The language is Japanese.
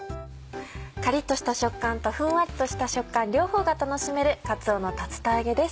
カリっとした食感とふんわりとした食感両方が楽しめる「かつおの竜田揚げ」です。